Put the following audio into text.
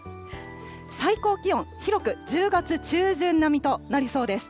最高気温、広く１０月中旬並みとなりそうです。